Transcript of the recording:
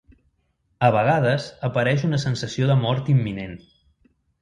A vegades apareix una sensació de mort imminent.